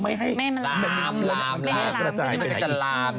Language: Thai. ไม่ให้มันมีเชื้อออกมากระจายไปไหน